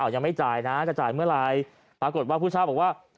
ยังไม่จ่ายนะจะจ่ายเมื่อไหร่ปรากฏว่าผู้เช่าบอกว่า